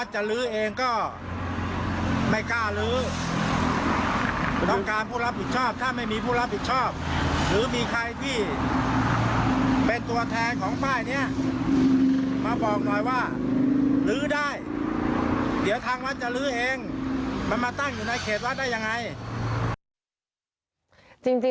จริงโทรไปได้แล้วเนี่ยเบอร์ที่ขึ้นอยู่เนี่ย